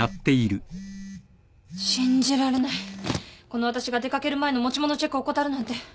この私が出掛ける前の持ち物チェックを怠るなんて。